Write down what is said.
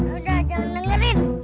udah jangan dengerin